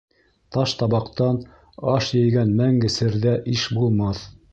Таш табаҡтан аш ейгән мәңге серҙә иш булмаҫ.